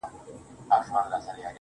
o که ټوله ژوند په تنهايۍ کي تېر کړم.